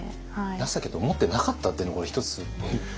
情けと思ってなかったっていうのこれ１つポイント。